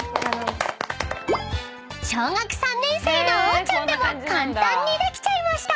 ［小学３年生のおーちゃんでも簡単にできちゃいました］